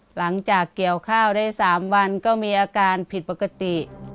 หลังจากเกี่ยวข้าวได้๓วันก็มีอาการผิดปกติ